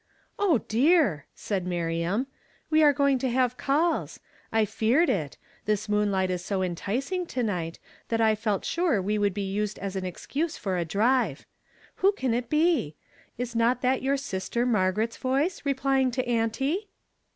"Oh, dear !" said Miriam, " we are going to have calls. I feared it; this moonlight is so enticing hM Bl 1 196 YESTERDAY FRAMED IN TO DAY. to night, that I felt sure we would be used as an excuse for a drive. Who can it be ? Is not that your sister Margaret's voice, replying to auntie